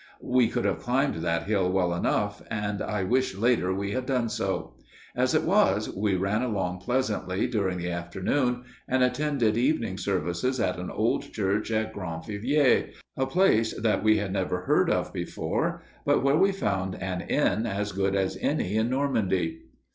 We could have climbed that hill well enough, and I wished later we had done so. As it was, we ran along pleasantly during the afternoon, and attended evening services in an old church at Grandvilliers, a place that we had never heard of before, but where we found an inn as good as any in Normandy.